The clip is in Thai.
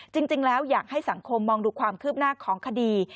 จริงแล้วอยากให้สังคมมองดูความคืบหน้าของคดี